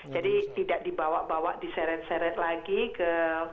jadi tidak dibawa bawa diseret seret lagi ke